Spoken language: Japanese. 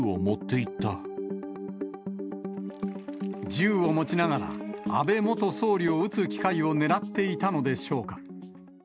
銃を持ちながら、安倍元総理を撃つ機会を狙っていたのでしょうか。